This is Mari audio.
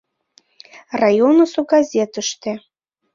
Районысо газетыште.